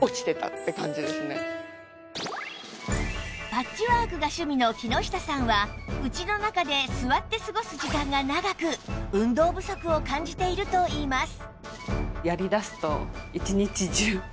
パッチワークが趣味の木下さんは家の中で座って過ごす時間が長く運動不足を感じているといいます